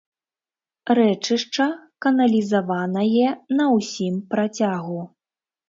Рэчышча каналізаванае на ўсім працягу.